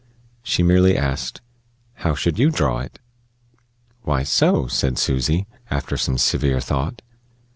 She merely asked: "How should you draw it?" "Why, so," said Susy, after some severe thought.